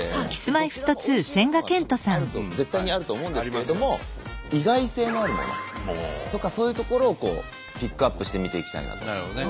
どちらもおいしいごはんはたぶんあると思う絶対にあると思うんですけれども意外性のあるものとかそういうところをピックアップして見ていきたいなと。